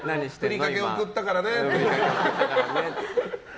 ふりかけ送ったからねって。